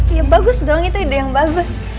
iya bagus dong itu ide yang bagus